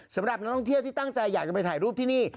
สำหรับนักท่องเที่ยวที่ตั้งใจอยากจะไปถ่ายรูปที่นี่